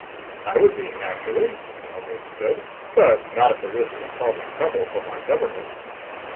"I would be, naturally," Balmordan said. "But not at the risk of causing trouble for my government."